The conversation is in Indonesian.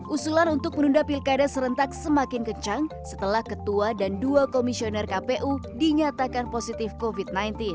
usulan untuk menunda pilkada serentak semakin kencang setelah ketua dan dua komisioner kpu dinyatakan positif covid sembilan belas